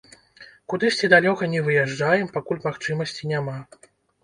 Кудысьці далёка не выязджаем, пакуль магчымасці няма.